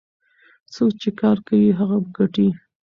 څوک چې کار کوي هغه ګټي.